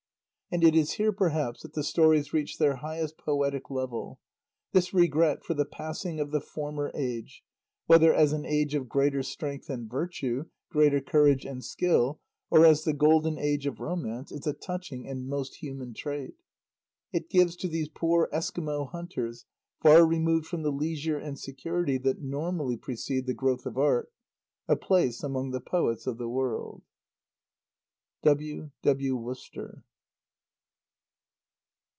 '" And it is here, perhaps, that the stories reach their highest poetic level. This regret for the passing of "the former age," whether as an age of greater strength and virtue, greater courage and skill, or as the Golden Age of Romance, is a touching and most human trait. It gives to these poor Eskimo hunters, far removed from the leisure and security that normally precede the growth of art, a place among the poets of the world. W. W. Worster.